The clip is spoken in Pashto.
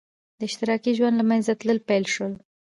د اشتراکي ژوند له منځه تلل پیل شول.